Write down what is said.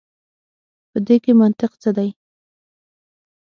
په دې کي منطق څه دی.